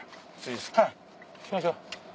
はいしましょう。